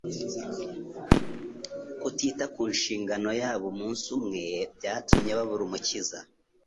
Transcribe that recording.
Kutita ku nshingano yabo umunsi umwe, byatumye babura Umukiza;